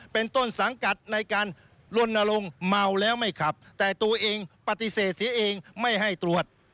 เป็นต้นสังกัดในการลนลงเมาแล้วไม่ขับแต่ตัวเองปฏิเสธเสียเองไม่ให้ตรวจ